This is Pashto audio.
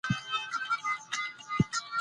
انګور د افغانستان د طبیعي زیرمو برخه ده.